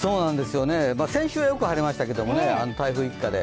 先週はよく晴れましたけどね、台風一過で。